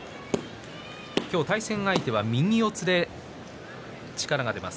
今日の対戦相手は右四つで力があります